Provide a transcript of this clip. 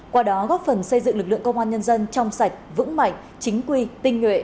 qua đó góp phần xây dựng lực lượng công an nhân dân trong sạch vững mạnh chính quy tinh nhuệ